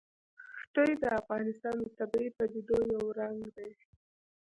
ښتې د افغانستان د طبیعي پدیدو یو رنګ دی.